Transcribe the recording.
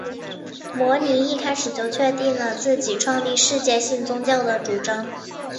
摩尼一开始就确定了自己创立世界性宗教的主张。